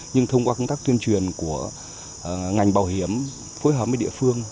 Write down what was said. nhưng thông qua công tác tuyên truyền của ngành bảo hiểm phối hợp với địa phương